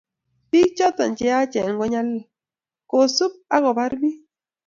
Bik choto cheyachen kinyalil, kosup ako bar bik.